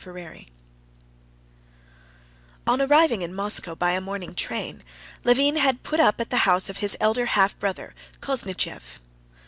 Chapter 7 On arriving in Moscow by a morning train, Levin had put up at the house of his elder half brother, Koznishev.